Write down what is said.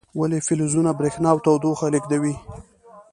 ولې فلزونه برېښنا او تودوخه لیږدوي؟